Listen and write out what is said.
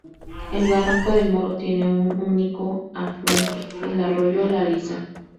El barranco del Moro tiene un único afluente: el arroyo la Lisa.